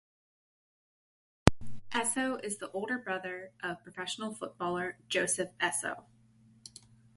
Esso is the older brother of fellow professional footballer Joseph Esso.